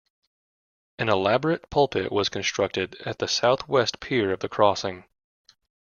An elaborate pulpit was constructed at the south west pier of the crossing.